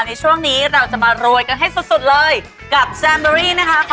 ในช่วงนี้เราจะมารวยกันให้สุดสุดเลยกับแซมเบอรี่นะคะ